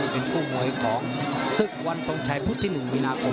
เป็นคู่มวยของศึกวันทรงชัยพุธที่๑มีนาคม